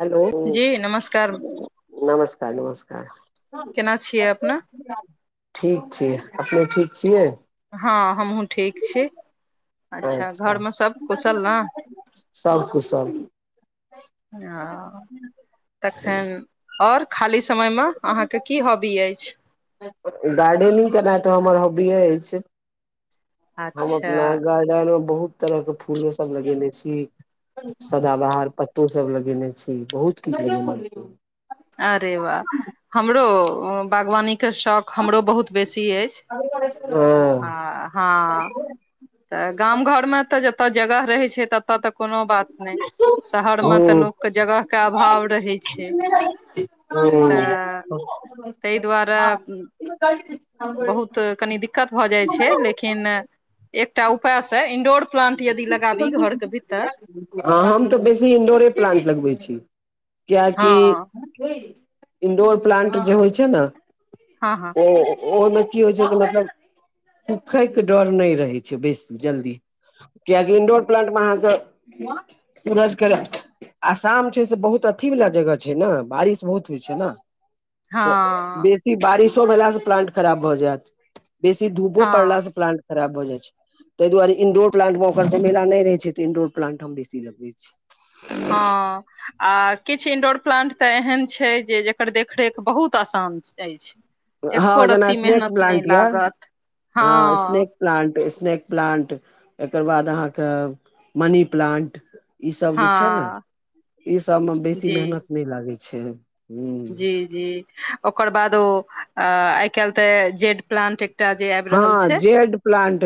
Hello, जी नमस्कार नमस्कार नमस्कार। केना छियै अपने ठीक छैय अपने ठीक छियै। हँ हमहुँ ठीक छी। अच्छा घरमे सभ कुशल ने। सब कुशल हैं तखन आओर खाली समयमे अहाँकेँ की हॉबी अछि गार्डेनिग केनाइ तऽ हमर हॉबीए अछि हम अच्छा अपना ग इ मे बहुत तरह के फूलो सभ लगेने छी सदा बाहर पत्तो सभ लगेने छी बहुत किछु ल छी अरे वाह हमरो बागवानी के शौक। हमरो बहुत बेसी अछि आ हँ ह तऽ गाम घर मे तऽ जतय जगह रहैत छै ततय तक कोनो बात नहि शहर मे तऽ हूँ लोक के जगह के अभाव रहे छै। तऽ ताहि हू तऽ कनि दिक्कत भऽ जाए छै लेकिन एकटा उपइ से इन प्लाट यदि लगाबी घर के भीतर हँ हम तऽ बेसी इंडोरे प्लट लगबैत छी कियकि हँ इंडोर प्लाट जे होइ छै ने हँ हँ। ओ ओहिमे की होइ छै कि मतलब सुुखै के डर नहि रहै छै बेसी जल्दी कियकि इंडोर प्लांट मे अहाँकेँ कर आ शाम छै से बहुत अथी वला जगह छै ने बारिश बहुत होइ छै ने। तऽ हँ बेसी बारिशो भेलास प्लाट खराब भऽ जायत बेसी धूबो हँ पड़लास से प्लाट खराब भए जाइ छै ताहि दुआरे इंडोर प्ललांट मे ओकर जमेला नहि रहे छै तऽ इंडोर प्लांट हम बेसी लगे छी हँ। आ किछु इंडोर प्लाट तऽ एहन छै जे जकर देखरेख बहुत आसान अछि एको हँ जेना रत्ती स्नेक मेहनत नहि प्लाट यऽ लागत हँ स्नेक प्लान्ट स्नैक प्लान्ट एकर बाद अहाँकेँ मनी प्लान्ट ई सभ जे छै ने हँ ई सभमे बेसी जी मेहनत नहि लागै छै ह जी जी ओकर बाद ओ आइ काल्हि तऽ जेड प्लांट एकटा जे आबि रहल हँ छै जेड प्लांट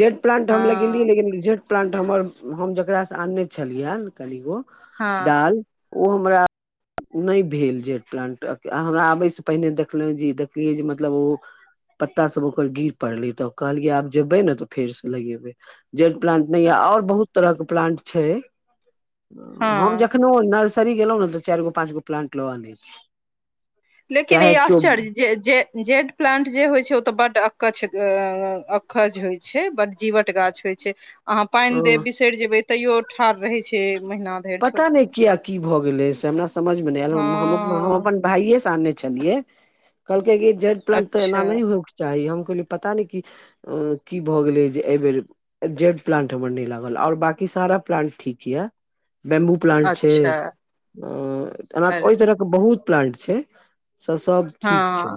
जेड प्लांट हम लगेलियै हँ लेकिन जे प्लान्ट हमर हम जकरासँ आनने छलियैन कनिगो हँ डाल ओ हमरा ओ नय भेल जेड प्लांट हमरा आबयसँ पहिने देखलहुँ जे देखलियै जे मतलब ओ पत्ता सब ओकर गिर पड़लेै तऽ कहलियै आब जेबे ने तऽ फेर से लगेबे जेट प्लांट नहि ये आओर बहुत तरह के प्लांट छै हम हँ जखनहु नर्सरी गेलहुँ ने तऽ चारि गो पाँच गो प्लांट ल आनय छी लेकिन इ चाहे केओ आश्चर्य जे-जे-जेड प्लांट जे होइ छै ओ त बड अकछ अकज होइ छै बड जीवट गाछ होइ छै अहाँ पानि हँ देब बिसरि जेबय तैयो ठाढ़ रहै छै महिना धरि छोड़ पता नहि किया की भऽ गेलै से हमरा समझ मे नय आयल हम हम हँ अपन भाइये से आनने छलिये कहलके कि जेड प्लांट तऽ एना अच्छा नय हो चाही हम कहलिये पता नहि कि की भऽ गेलै जे एहि बेेर जेड प्लांट हमर नय लागल आओर बाकी सारा प्लांट ठीक किया बेम्बू प्लांट छै अच्छा अ एना ओहि अरे तरहके बहुत प्लांट छै से सब हँ ठीक छै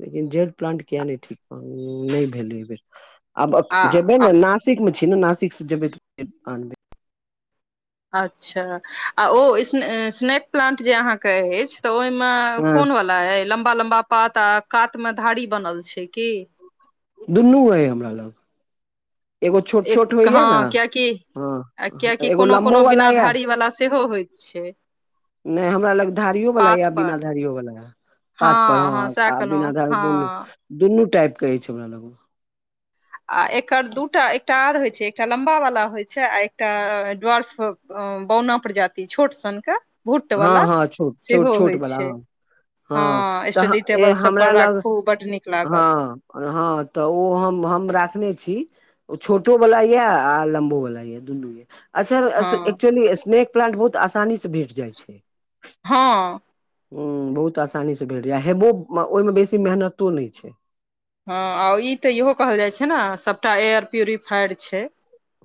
लेकिन जेल प्लांट किए नहि ठीक नहि भेलै एहि बेर आब आ जेबै आ ने नासिक मे छी ने नासिक से जेबै तऽ फेर आनबै अच्छा आ ओ स्नैक प्लांट जे अहाँके अछि तऽ ओहिमे हँ कोन वला अय लम्बा लम्बा पात आ कात मे धारी बनल छै की दुनू अय हमरा लग एगो छोट छोट एक होइया ने हँ कियाकि हँ आ कियाकि एगो कोनो लम्बो कोनो वाला बिना यऽ धारी वला सेहो होइत छै नहि हमरा लग धारियो वाला पात या पर बिना धारियो वाला ये पात पर हँ हँ सएह ह आ कहलहुँ बिना धार दुन हँ दुनू टाइप के अछि हमरा लग आ एकर दूटा एकटा आर होइ छै एकटा लम्बा वाला होइ छै आ एकटा ड्वर्फ बौना प्रजाति छोट सन के भूट हँ वला हँ छोट छोट सेहो छोट होइ वाला छै हँ हँ तऽ स्टडी ए टेबल सब हमरा पर लग राखू बड नीक लागत हँ हँ तऽ ओ हम हम राखने छी ओ छोटो वला ये आ लम्बो वला ये दुनू ये अच्छा हँ एक्चुअली स्नेक प्लांट बहुत आसानी से भेट जाइ छै हँ ह बहुत आसानीसँ भेट जाय हेबो ओहिमे बेसी मेहनतो नहि छै हँ आ ई तऽ इहो कहल जाइ छै ने सभटा एयर प्यूरिफायड छै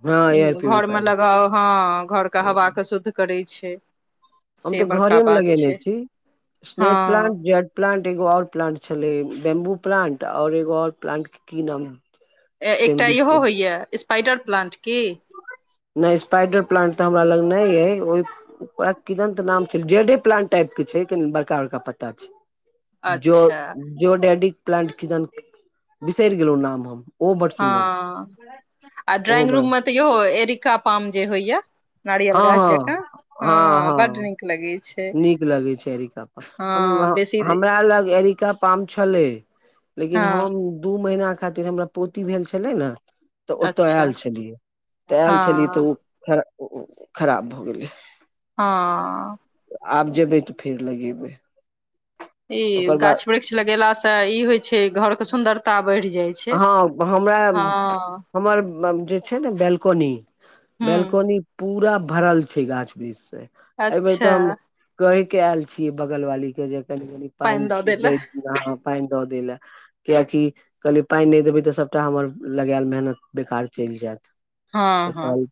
हँ एयर घरमे प्यूरिफायर लगाउ हँ घरके हवाके शुद्ध करै छै हम से तऽ बड़का घरे मे बात लगेने छै छी स्नेक हँ प्लांट जेड प्लांट एगो आओर प्लांट छलै बम्बू प्लान्ट आओर एगो आओर प्लांट के की नाम एकटा इहो छै होइए स्पाइडर प्लांट की नय स्पाइडर प्लांट तऽ हमरा लग नहि अइ ओहि ओकरा किदनत नाम छै जेडे प्लंट टाइप के छै कनि बड़का बड़का पत्ता छै जो अच्छा जो डेडिक प्लांट किदन बिसरि गेलहु नाम हम ओहो बड सुन्दर छै हँ आ ओहो ड्राइंग बड़ रूम मे तऽ इहो एरिका पाम जे होइये नारियल हँ गाछ हँ जेका हँ बड नीक लगी नीक लगै छै एरिका हँ बेसी हमरा लग एरि पाम छलै लेकिन हँ हम दू महिना खातिर हमरा पोती भेल छलै ने तऽ ओतय आयल अच्छा छलियै तऽ आयल छलियै त हँ ओ खराब भऽ गेलै ह आब जेबै तऽ फेर लगेबै। इ ओकर बाद गाछ वृक्ष लगेला से ई होय छै घर के सुंदरता बढ़ जाय छै। हँ हमरा हँ हमर जे छै ने बेलकनी हूँ बेलकनी पूरा भरल छै गाछ एहि बेर तऽ अच्छा हम कहि के आयल छियै बगल वाली के जे कनि कनी। पाइन पानि दऽ देल द प दऽ ल कएकि कहलियै पाइन नहि देबै त सभटा हमर लगायल मेहनत बेकार चलि जायत हँ तऽ हँ कहल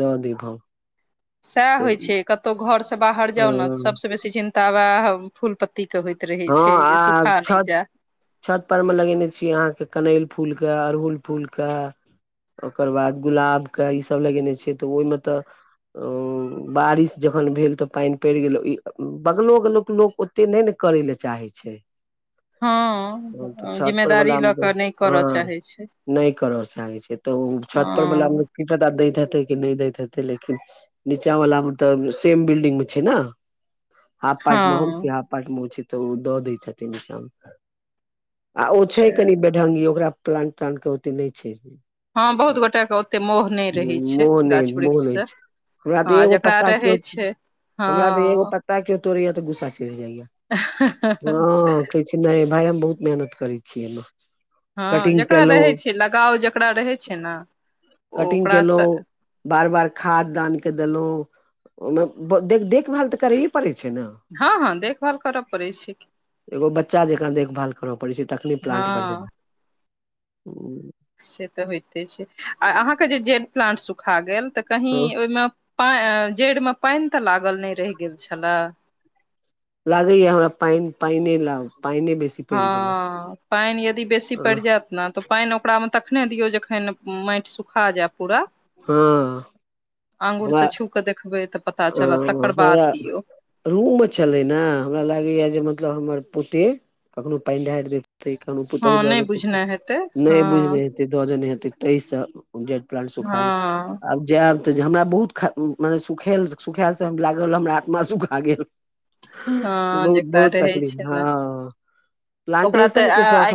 दऽ दे हम सएह होइत छै कतहु घर से बाहर जाउ ने सभस बेसी चिन्ता वएह फूल पत्तीके होइत रहै हँ छै जे आ सुखा नहि छ्त जाय छत पर मे लगेने छी अहाँकेँ कनैल फूल के अड़हुल फूल के ओकर बाद गुलाबके ईसभ लगेने छै तऽ ओहिमे त बारिश जखन भेल तऽ पानि पड़ि गेल ई बगलो उगलो के लोक ओते नहि ने करै लए चाहै छै तऽ ह छत पर जिम्मेदारी वला मे लऽ तऽ कऽ नहि करऽ हँ चाहै छै। नहि करऽ चाहै छै तऽ ओ छत हँ परर्वला दैत हेतै कि नहि दैत हेतै लेकिन नीचा वला मे त सेम बिल्डिग मे छै न। हाफ पाटमे हम छी हँ हाफ पाटमे उ छै तऽ ओ दऽ दै छथि आ ओ छै कनि अच्छा बेढंगगी ओकरा प्लान्ट प्लान्त के ओते नहि छै। हँ बहुत गोटा के ओते मोह नहि रहै छै मोह नै गाछ मोह वृक्ष नै से छै हमरा तऽ हँ एगो जकरा पत्ता को रहै छै हँ हमरा तऽ एगो पत्ता केयो तोड़ैया तऽ गुस्सा चिढ़ जाइया। हँ कहै छै नहि भाय हम बहुत मेहनत करै छियै एहिमे। हँ कटिंग जेकरा केलहुँ रहै छै लगाव जेकरा रहै छै ने ओ कटिंग केलहुँ ओकरासँ बार बार खाद आन कऽ देलहुँ ओहिमे देख देखभाल तऽ करैए पड़ै छै न ह ह देखभाल करऽ पड़ै छै। एगो बच्चा जेक देखभाल करऽ पड़े छै तखनी हँ प्लाट बनबे। ह से तऽ होइते छै आ अहाँकेँ जेड प्लाट सुखा गेल तऽ कही हँ ओहिमे जड़ि मे पानि तऽ लागल नहि रहि गेल छलए। लागैया हमरा पान पानि लाउ पानि बेसी ह पड़ि गेलै पानि यदि बेसी पड़ि जायत ने तऽ पानि ओकरामे तखने दियौ जखन माटि सुखा जाय पूरा। हँ आगुर हमरा से छू कऽ देखबै तऽ पता चलत तकर हमरा बाद दियौ। रूम मे चले ने हमरा लागे या जे मतलब हमर पोते कखनो पानि ढारि दे। तै क पता हँ नहि द बुझने हेतै नहि बूझ हँ नहि दजने हेतै ताहि से जेड प्लान्त सुखा गेल हँ आब जायब त जे हमरा बहुत मने सुख सुखायलसँ लागल हमरा आत्मा सुखा गेल। हँ बहुत जेकरा बहुत रहै तकलीफ छै ने हँ प्लाटेशन क शौख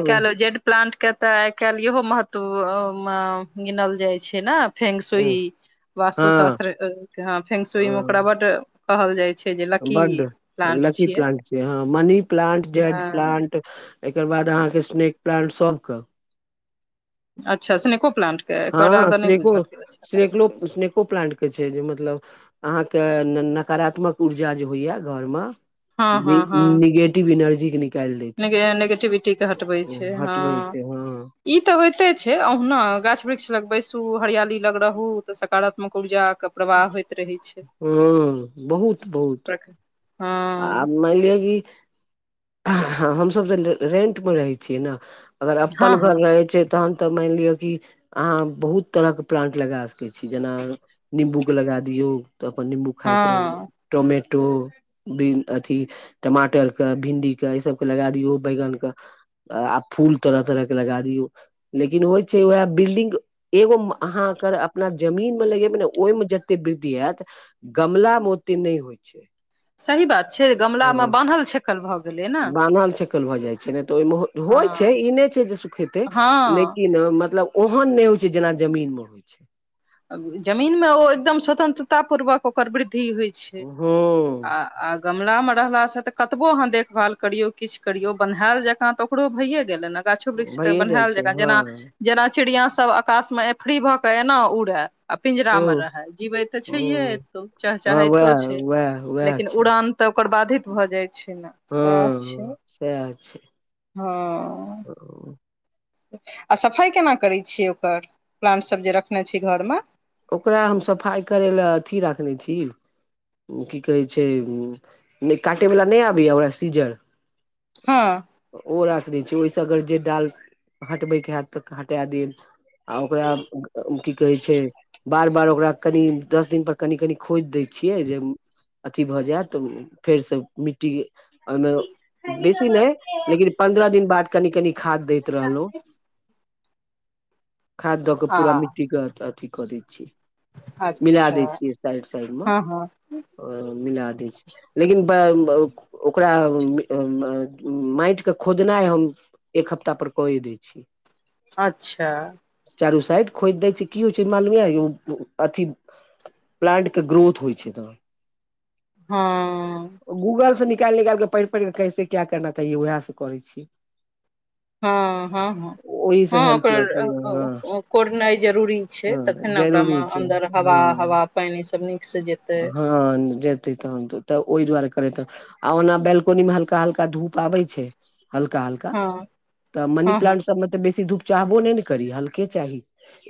प्लान्ट के तऽ आइ काल्हि इहो महत्व गिनल जाइ छै ने फेगसई वास्तु हँ शास्त्र अ फेगसुई म उक्रा हँ बट। कहल जाइ छै जे लकी बड्ड प्लांट लकी छियै प्लांट छै हँ मनी प्लांट जेड हँ प्लांट एकर बाद अहाँके स्नेक प्लांट सबके अच्छा स्नेको प्लांट के एकर हँ आदा नहि श्नेकु बुझल गेल छल श्नेकलो श्नेक को प्लांट के छै जे मतलब अहाँके नकारात्मक ऊर्जा जे होइये घरमे हँ नि निगेटिव एनर्जी के नै निगे नेगेटिविटीके हटबै छै हँ। हटबै छै हँ ई तऽ होइते छै अहुना गाछ वृक्ष लग बैसू हरियाली लग रहु तऽ सकारात्मक ऊर्जाक हँ प्रवाह होइत रहै छै बहुत बहुत [inaudible] आ मानि लिअ कि हमसभ तऽ रेंट पर रहै छियै न अगर अपन हँ घर हँ रहै छै तहन तऽ मानि लिअ कि अहाँ बहुत तरहके प्लांट लगा सकै छी जेना निम्बूके लगा दियौ तऽ अपन निम्बू खाइत रहू हँ टोमेटो बिन अथि टमाटरके भिंडीके एहिसभके लगै दियौ बैगनके आब फूल तरह तरह के लगा दियौ लेकिन होइ छै उएह बिल्डिंग एगो अहाँ कर अपना जमीन मे लगेबै ने ओहिमे जते वृद्धि हैत गमला मे ओत्ते नै होइ छै सही बात छै गमलामे हँ बान्हल छेकल भऽ गेलै न बान्हल छेकल भऽ जाइ छै ने तऽ ओहिमे होइ छै हँ ई नय छै जे सुखेतै हँ लेकिन मतलब ओहन नहि होइ छै जेना जमीन मे होइ छै जमीनमे ओ एकदम स्वतन्त्रता पूर्वक ओकर वृद्धि होइ छै आ हँ आ गमलामे रहलासँ तऽ कतबो अहाँ देखभाल करियौ किछु करियौ बन्हायल जकाँ तऽ ओ ओकरो भइए गेलै ने गाछो वृक्ष तऽ भइए जाइ बन्हैल छै जकाँ हँ जेना जेना चिड़िया सब आकाशमे एफरी भऽ कऽ एना उड़ै आ पिंजरा मे हँ रहै जीवै तऽ छैेहे हँ एतौ हँ चहचहाइतो वएह छै वएह वएह लेकिन छै उड़ान तऽ ओकर बाधित भऽ जाइ छै न हँ सैह छै हँ ओ [unintelligible] आ सफाइ केना करै छियै ओकर प्लांट सभ जे रखने छियै घरमे ओकरा हम सफाइ करै लै अथी राखने छी की कहै छै नय काटे वला नहि आबैये ओहे सीजर हँ ओ राख दै छै ओहिसँ अगर जे डाल हटबैके हैत तऽ हटा देब आ ओकरा की कहै छै बार बार ओकरा कनी दस दिनपर कनि कनि खोदि दै छियै जे उ अथी भऽ जैत तऽ फेरसँ मिट्टी ओहिमे बेसी नहि लेकिन पंन्द्रह दिन बाद कनि कनि खाद दैत रहलौं खाद दऽ कऽ आ पूरा मिट्टीके अथी कऽ दै छी मिला अच्छा दै छियै साइड साइड मे हँ हँ ओ मिला दै छियै लेकिन ब--ब--ओकरा माटि के खोदनाइ हम एक हफ्ता पर कए दै छी अच्छा चारू साइड खोदि दै छियै की होइ छै मालुम यै अथि प्लांट के ग्रोथ होइ छै तहन हँ गूगल स निकैल निकैल कऽ पढ़ि पढ़ि कऽ कैसे क्या करना चाहिए उएह सब कहय छियै हँ हँ हँ ओहि से हँ हेल्प ल प ओकर कोड़नाइ जरूरी छै हँ हँ तखनऽ [unintelligible] जरूरी मे छै अंदर हवा हँ हवा पैन सब निक से जेत हँ जेत तहन तऽ ओहि दुआरे करैत त आ ओना बेलकोनी मे हल्का हल्का धूप आबै छै हल्का हल्का हँ तऽ मनी हँ हँ प्लांट सभमे तऽ बेसी धूप चाहबो नै ने करी हल्के चाही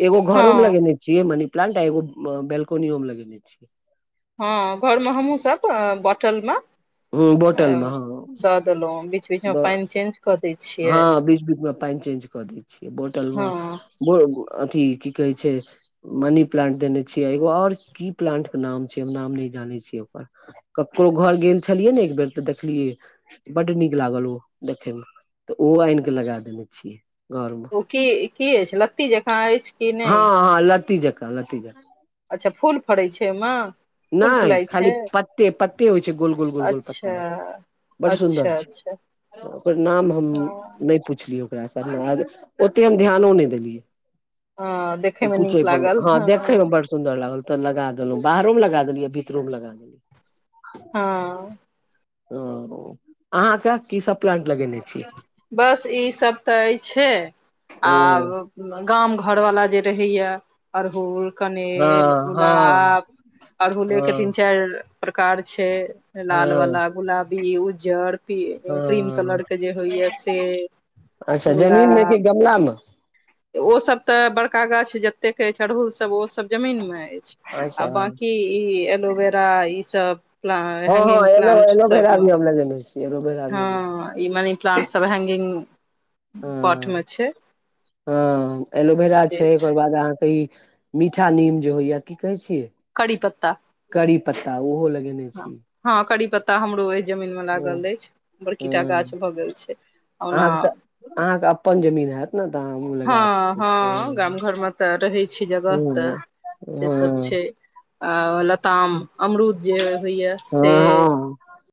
एगो घरो मे हँ लगेने छियै मनी प्लांट आ एगो बेलकोनियो मे लगेने छियै हँ घरमे हमहूँसभ बॉटलमे बोटलमॅ दअ देलोउ बीच बीच मे पैन चेंज क दै छियै हँ बीच बीच मे पैन चेंज कऽ दै छियै बोटल मे हँ ब अथी की कहै छै मनी प्लांट देने छियै एगो आओर की प्लांट के नाम छै नाम नै जानै छियै ओकर ककरो घर गेल छलियै ने एक बेर तऽ देखलियै बड नीक लागल ओ देखयमे तऽ ओहो अइन क लगा देने छियै घर मे ओ के-के अछि लत्ती जकाँ अइछ हँ हँ लती जका लती जका अच्छा फूल फड़ै छै ओईमे नैइ खाली पत्ते पत्ते होइ छै गोल गोल गोल गोल प अच्छा अच्छा अच्छा ओकर नाम हम हँ नै पुछलियै ओकरासँ ओते हम ध्यानो नै देलियै हँ देखयमे पूछै नीक पर लागल हँ देखे मे बर सुन्दर लागल तऽ लगा देलउ बाहरो मे लगा देलियै भीतरो मे लगा देलियै हँ ओ अहाँके की सब प्लांट लगेने छीयय बस ई सब तऽ अइछै ओ आब गाम घरवला जे रहैया अड़हुल हँ कनैल हँ गुलाब अड़हुले के हँ तीन चैर प्रकार छै लाल हँ वाला गुलाब की उज्जर क्रीम हँ कलर के जे होइया से अच्छा जमीन मे कि गुलाब गमला मे ओ सब त बड़का गाछ जतेक अइछ अड़हुल सब ओ सब जमीन मे अइछ आ अच्छा हँ बाकी ई एलोविरा ईसभ प्ला हँ हँ हैंगिंग ए - प्लांट एलो बिरा सभमे भी हम लगेने छियय एलोवेरा भी हँ ई मनी प्लांटसब हैगिंग ह हँ एलोवेरा छै ओकर बाद अहाँके ई मीठा नीम जे होइया की कहै छियै कड़ी पत्ता करी पत्ता ओहो लगेने हँ छी हाॅं करी पत्ता हमरो अई जमीन मे हँ लागल अइछ बड़कीटा गाछ भऽ गेल छै ओना अहाँके तऽ अहाँके अपन जमीन हैत ने तऽ अहाँ ओ हँ लगा सकैत हँ गाम छी घरमे तऽ रहै छै जगह तऽ हँ सेसभ हँ छै आ लताम अमरूद जे होइया से हँ